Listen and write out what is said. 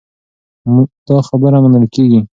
دا خبره منل کېږي.